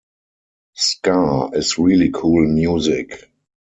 Ska is really cool music.